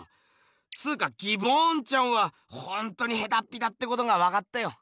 つかギボーンちゃんはほんとにヘタッピだってことがわかったよ。